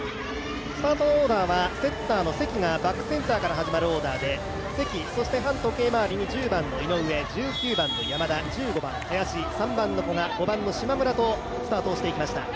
スタートオーダーはセッターの関がバックセンターから始まるオーダーで、関、反時計回りに１５番の井上、１９番の山田、１５番・林３番の古賀、５番の島村とスタートしていきました。